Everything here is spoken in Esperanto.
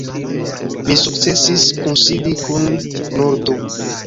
Mi sukcesis kunsidi kun nur du.